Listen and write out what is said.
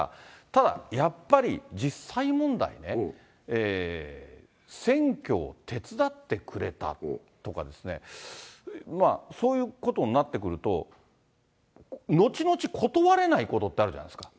ただ、やっぱり実際問題ね、選挙を手伝ってくれたとかですね、そういうことになってくると、のちのち断れないことってあるじゃないですか。